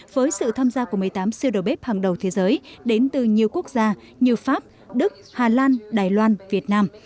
với sự tham gia của một mươi tám siêu đầu bếp hàng đầu thế giới đến từ nhiều quốc gia như pháp đức hà lan đài loan việt nam